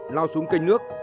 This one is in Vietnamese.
lao xuống cây nước